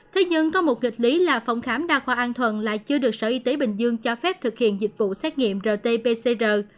thế nhưng có một nghịch lý là phòng khám đa khoa an thuận lại chưa được sở y tế bình dương cho phép thực hiện dịch vụ xét nghiệm rt pcr